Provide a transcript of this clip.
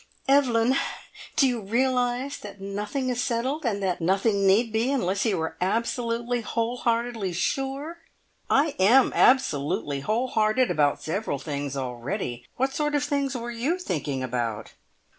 "Evelyn! Do you realise that nothing is settled, and that nothing need be, unless you are absolutely, whole heartedly sure?" "I am absolutely whole hearted about several things already. What sort of things were you thinking about?"